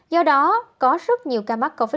do đó có rất nhiều ca mắc covid một mươi